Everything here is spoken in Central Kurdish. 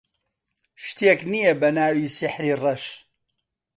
شتێک نییە بە ناوی سیحری ڕەش.